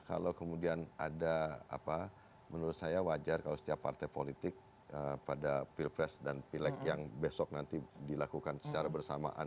kalau kemudian ada apa menurut saya wajar kalau setiap partai politik pada pilpres dan pileg yang besok nanti dilakukan secara bersamaan